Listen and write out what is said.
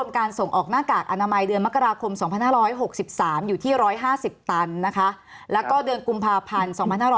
มักราคม๒๕๖๓อยู่ที่๑๕๐ตันนะคะแล้วก็เดือนกุมภาพันธ์๒๕๖๓